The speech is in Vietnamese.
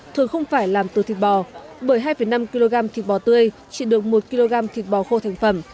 thường không phải làm từ thịt bò bởi hai năm kg thịt bò tươi chỉ được một kg thịt bò khô thành phẩm